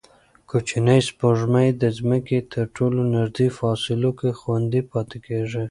کوچنۍ سپوږمۍ د ځمکې تر ټولو نږدې فاصلو کې خوندي پاتې کېږي.